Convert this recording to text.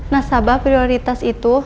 nasabah prioritas itu